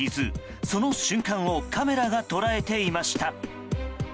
その瞬間をカメラが捉えていました。